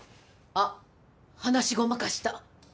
あっ話ごまかした。